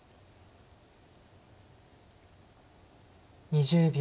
２０秒。